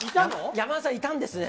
山田さんいたんですね。